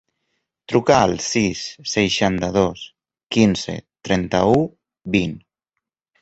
Truca al sis, seixanta-dos, quinze, trenta-u, vint.